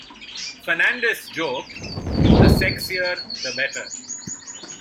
Fernandes joked The sexier the better.